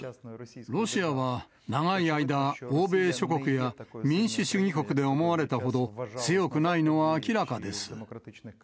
ロシアは長い間、欧米諸国や民主主義国で思われたほど強くないのは明らかです。